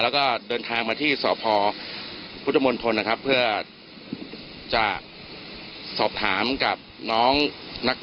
แล้วก็ไปที่ศพท์พุทธมณทนนะครับจะสอบถามกับน้องนัก